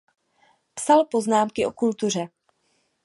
Psal poznámky o kultuře.